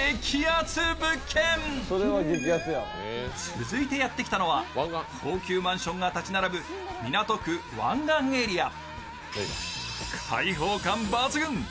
続いてやってきたのは高級マンションが建ち並ぶ港区・湾岸エリア。